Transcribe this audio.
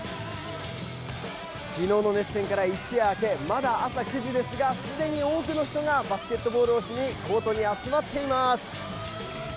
昨日の熱戦から一夜明けまだ朝９時ですがすでに多くの人がバスケットをしにコートに集まっています。